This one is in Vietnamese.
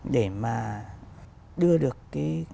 để phát triển được nền nghệ thuật của nước nhà